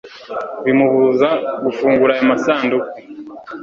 bimubuza gufungura ayo masanduku